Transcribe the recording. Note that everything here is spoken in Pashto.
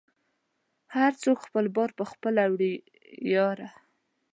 هر څوک خپل بار په خپله وړی یاره